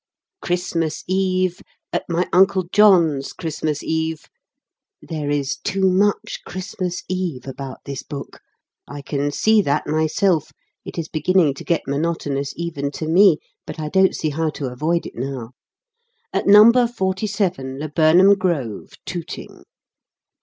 Christmas Eve at my Uncle John's; Christmas Eve (There is too much 'Christmas Eve' about this book. I can see that myself. It is beginning to get monotonous even to me. But I don't see how to avoid it now.) at No. 47 Laburnham Grove, Tooting!